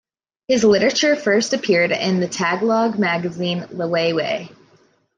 His literature first appeared in the Tagalog magazine, "Liwayway".